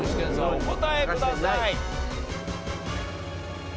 お答えください。